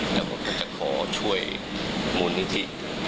แล้วผมก็จะขอช่วยมูลนิธิ